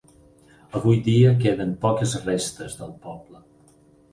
Avui dia queden poques restes del poble.